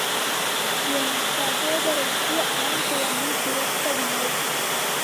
என் சகோதரருக்கு ஆண் குழந்தை பிறக்கவில்லை.